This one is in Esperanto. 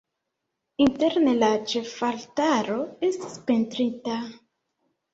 Interne la ĉefaltaro estas pentrita.